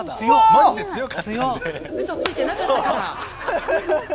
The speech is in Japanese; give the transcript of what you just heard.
嘘ついてなかったから！